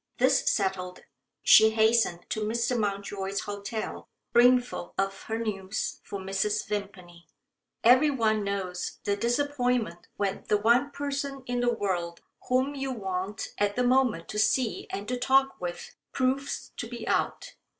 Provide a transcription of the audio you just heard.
This settled, she hastened to Mr. Mountjoy's hotel brimful of her news for Mrs. Vimpany. Everyone knows the disappointment when the one person in the world whom you want at the moment to see and to talk with proves to be out.